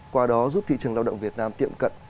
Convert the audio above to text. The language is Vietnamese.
qua đó giúp thị trường lao động việt nam tiệm cận